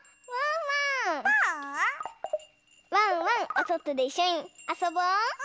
おそとでいっしょにあそぼう！